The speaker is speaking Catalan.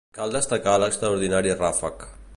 Cal destacar l'extraordinari ràfec.